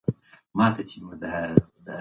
په مورنۍ ژبه پوهېدل حق دی.